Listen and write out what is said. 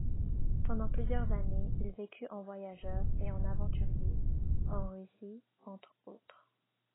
Pendant plusieurs années, il vécut en voyageur et en aventurier, en Russie, entre autres.